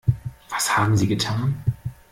Was haben Sie getan?